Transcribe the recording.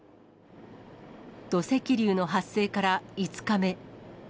土石流の発生から５日目。